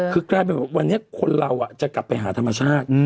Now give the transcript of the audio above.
คือกลายเป็นว่าวันนี้คนเราจะกลับไปหาธรรมชาติ